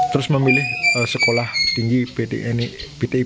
terus memilih sekolah tinggi ptip ini